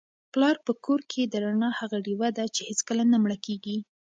پلار په کور کي د رڼا هغه ډېوه ده چي هیڅکله نه مړه کیږي.